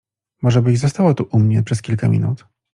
Może byś została tu u mnie przez kilka minut?